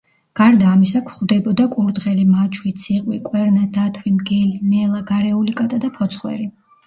გარდა ამისა გვხვდებოდა კურდღელი, მაჩვი, ციყვი, კვერნა, დათვი, მგელი, მელა, გარეული კატა და ფოცხვერი.